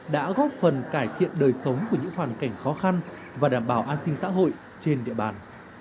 đã góp phần cải thiện đời sống của những hoàn cảnh khó khăn và đảm bảo an sinh xã hội trên địa bàn